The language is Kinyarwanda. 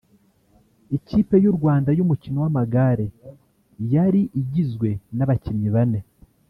ikipe y’u Rwanda y’umukino w’amagare yari igizwe n’abakinnyi bane